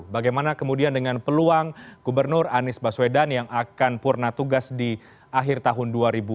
bagaimana kemudian dengan peluang gubernur anies baswedan yang akan purna tugas di akhir tahun dua ribu dua puluh